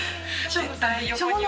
絶対横には。